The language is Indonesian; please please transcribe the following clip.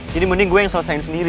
jadi mending gue yang selesain sendiri